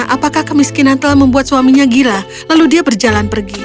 apakah kemiskinan telah membuat suaminya gila lalu dia berjalan pergi